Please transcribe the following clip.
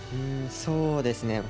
そうですね。